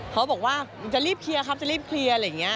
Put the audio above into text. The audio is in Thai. เขาบอกว่าจะรีบเคลียร์ครับจะรีบเคลียร์อะไรอย่างนี้